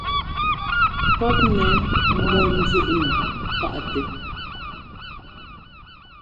Pɔ́p nɛ mbɔ́ nzúʼnɛ paʼtɛ.